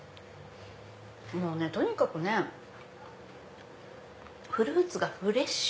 もうねとにかくねフルーツがフレッシュ！